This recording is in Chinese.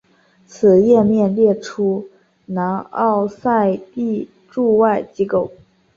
此页面列出南奥塞梯驻外机构。